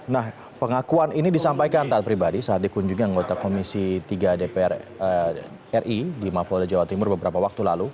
nah pengakuan ini disampaikan taat pribadi saat dikunjungi anggota komisi tiga dpr ri di mapolda jawa timur beberapa waktu lalu